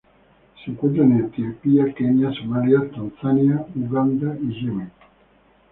Se encuentra en Etiopía, Kenia, Somalia, Tanzania, Uganda, y Yemen.